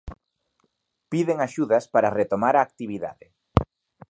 Piden axudas para retomar a actividade.